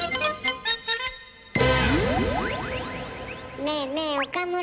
ねえねえ岡村。